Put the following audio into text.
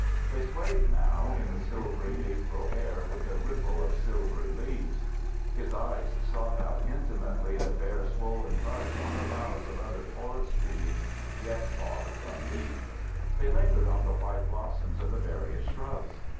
They swayed now in the silvery April air with a ripple of silvery leaves. His eyes sought out intimately the barely swollen buds on the boughs of other forest trees yet far from leaf. They lingered on the white blossoms of the various shrubs.